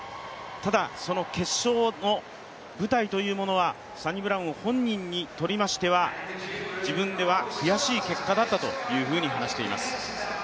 ただ、その決勝の舞台というものはサニブラウン本人にとりましては自分では悔しい結果だったというふうに話しています。